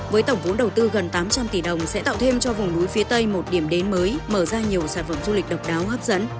với tổng vốn đầu tư gần tám trăm linh tỷ đồng sẽ tạo thêm cho vùng núi phía tây một điểm đến mới mở ra nhiều sản phẩm du lịch độc đáo hấp dẫn